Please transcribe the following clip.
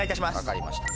分かりました。